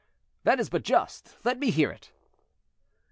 that is but just; let me hear it."